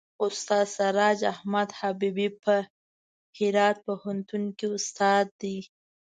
استاد سراج احمد حبیبي په هرات پوهنتون کې استاد دی.